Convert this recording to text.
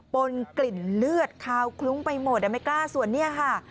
นกลิ่นเลือดคาวคลุ้งไปหมดไม่กล้าส่วนเนี่ยค่ะ